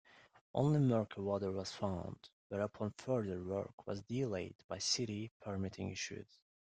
Only murky water was found, whereupon further work was delayed by city permitting issues.